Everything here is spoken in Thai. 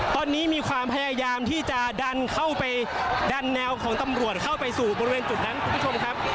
ตอนนี้มีความพยายามที่จะดันเข้าไปดันแนวของตำรวจเข้าไปสู่บริเวณจุดนั้นคุณผู้ชมครับ